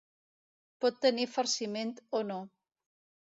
Pot tenir farciment o no.